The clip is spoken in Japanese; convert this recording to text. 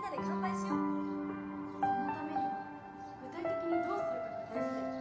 そのためには具体的にどうするかが大事だよね。